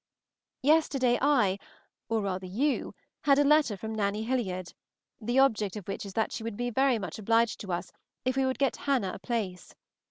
Yesterday I or rather, you had a letter from Nanny Hilliard, the object of which is that she would be very much obliged to us if we would get Hannah a place.